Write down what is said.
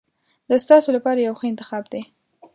دا ستاسو لپاره یو ښه انتخاب دی.